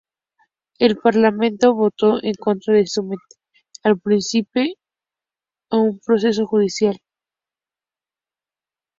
El Parlamento votó en contra de someter al príncipe a un proceso judicial.